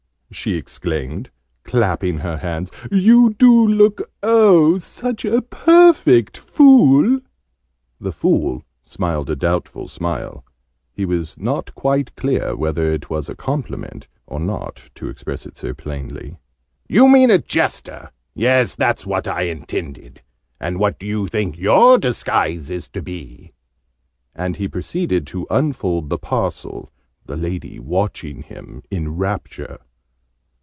she exclaimed, clapping her hands. "You do look, oh, such a perfect Fool!" The Fool smiled a doubtful smile. He was not quite clear whether it was a compliment or not, to express it so plainly. "You mean a Jester? Yes, that's what I intended. And what do you think your disguise is to be?" And he proceeded to unfold the parcel, the lady watching him in rapture.